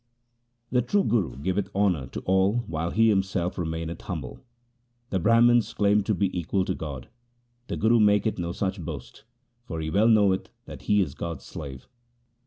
The true Guru giveth honour to all while he himself remaineth humble. The Brahmans claim to be equal to God. The Guru maketh no such boast, for he well knoweth that he is God's slave.